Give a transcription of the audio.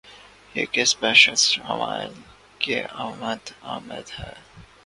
یہ کس بہشت شمائل کی آمد آمد ہے!